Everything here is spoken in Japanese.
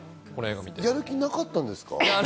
やる気なかったんですか？